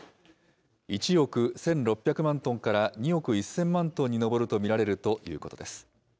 １億１６００万トンから２億１０００万トンに上ると見られるということです。